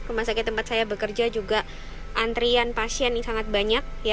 rumah sakit tempat saya bekerja juga antrian pasien yang sangat banyak